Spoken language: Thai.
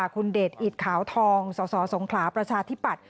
คุณเดชอิดขาวทองสสสงขลาประชาธิปัตย